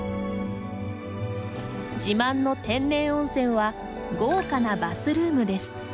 自慢の天然温泉は豪華なバスルームです。